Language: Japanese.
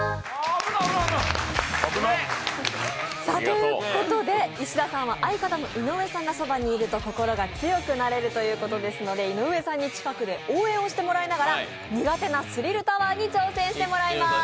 ということで石田君が石田さんは相方の井上さんがそばにいると心が強くなれるということですので井上さんに近くで応援をしてもらいながら苦手な「スリルタワー」に挑戦してもらいます。